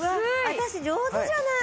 私上手じゃない！